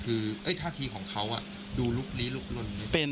คือท่าทีของเค้าอ่ะดูลุกลี้ลุกล่น